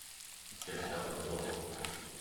建教合作